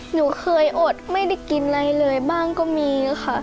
หนูเคยอดไม่ได้กินอะไรเลยบ้างก็มีค่ะ